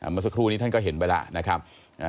เมื่อสักครู่นี้ท่านก็เห็นไปแล้วนะครับ